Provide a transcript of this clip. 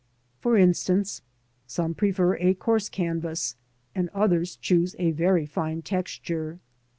For instance, some prefer a coarse canvas, and others choose a very fine texture.